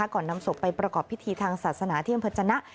ก่อนนำศพไปประกอบพิธีทางศาสนาที่อำเภอจนะ